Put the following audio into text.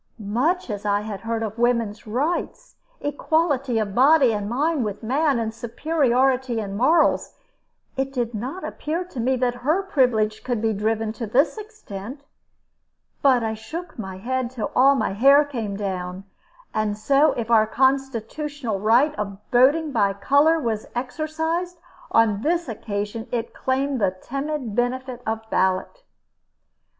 Much as I had heard of woman's rights, equality of body and mind with man, and superiority in morals, it did not appear to me that her privilege could be driven to this extent. But I shook my head till all my hair came down; and so if our constitutional right of voting by color was exercised, on this occasion it claimed the timid benefit of ballot.